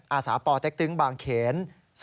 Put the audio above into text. อาศาปเตรกตึ๋งบางเขน๐๑๐